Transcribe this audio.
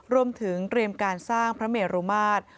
รวมถึงเตรียมการสร้างพระเมรุมาตร